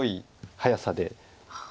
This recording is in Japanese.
速さで。